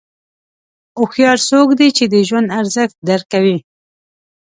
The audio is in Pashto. هوښیار څوک دی چې د ژوند ارزښت درک کوي.